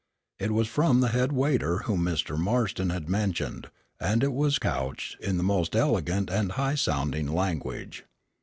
It was from the head waiter whom Mr. Marston had mentioned, and was couched in the most elegant and high sounding language.